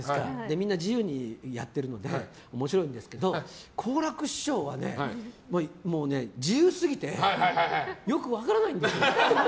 みんな自由にやってるので面白いんですけど好楽師匠は自由すぎてよく分からないんですよ。